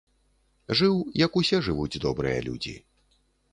Жыў, як усе жывуць добрыя людзі.